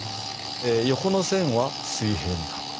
横の線は水平に書く。